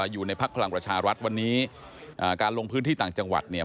พักพลังประชารัฐวันนี้การลงพื้นที่ต่างจังหวัดเนี่ย